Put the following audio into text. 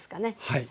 はい。